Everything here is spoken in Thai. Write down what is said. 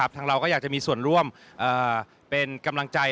ทางเราก็อยากจะมีส่วนร่วมเป็นกำลังใจ